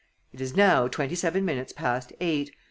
It is now twenty seven minutes past eight.